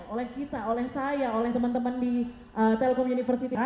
oleh kita oleh saya oleh teman teman di telkom university kita